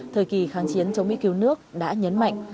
thời kỳ kháng chiến chống mỹ cứu nước đã nhấn mạnh